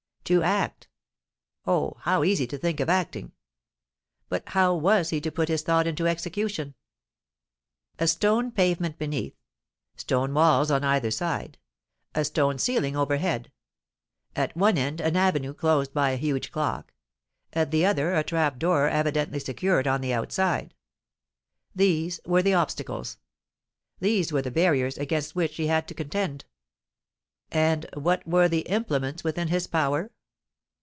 To act!—oh! how easy to think of acting!—But how was he to put his thought into execution? A stone pavement beneath—stone walls on either side—a stone ceiling overhead—at one end an avenue closed by a huge clock—at the other a trap door evidently secured on the outside,—these were the obstacles—these were the barriers against which he had to contend. And what were the implements within his power?